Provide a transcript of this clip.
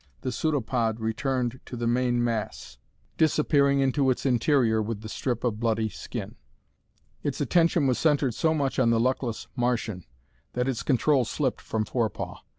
The pseudopod returned to the main mass, disappearing into its interior with the strip of bloody skin. Its attention was centered so much on the luckless Martian that its control slipped from Forepaugh.